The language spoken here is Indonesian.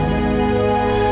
gue mau pergi ke rumah